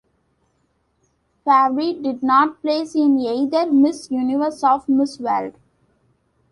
Fabre did not place in either Miss Universe or Miss World.